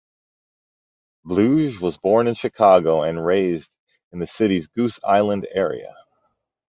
Bluege was born in Chicago and raised in the city's Goose Island area.